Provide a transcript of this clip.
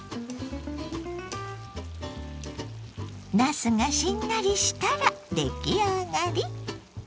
なすがしんなりしたら出来上がり。